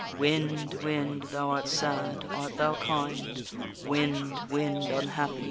_Wind, wind! thou art sad, art thou kind? Wind, wind, unhappy!